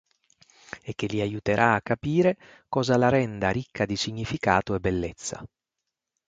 E che li aiuterà a capire cosa la renda ricca di significato e bellezza.